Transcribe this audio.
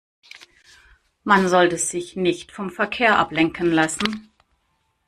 Man sollte sich nicht vom Verkehr ablenken lassen.